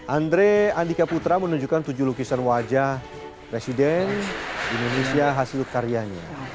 andre andika putra menunjukkan tujuh lukisan wajah presiden indonesia hasil karyanya